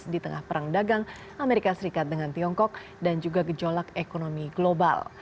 di tengah perang dagang amerika serikat dengan tiongkok dan juga gejolak ekonomi global